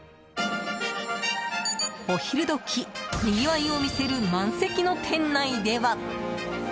お昼どき、にぎわいを見せる満席の店内では。